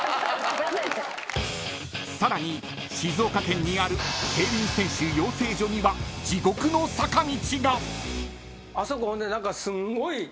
［さらに静岡県にある競輪選手養成所には地獄の坂道が］あそこ。